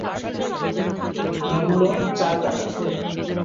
মূল্য: চার টাকা।